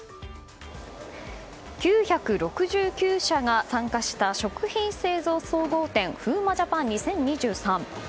９６９社が参加した食品製造総合展ＦＯＯＭＡＪＡＰＡＮ２０２３。